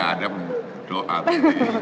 sudah disiapkan ternyata gak ada doa